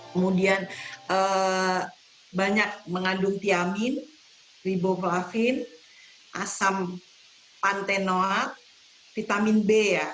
kemudian banyak mengandung tiamin riboflavin asam pantenoak vitamin b ya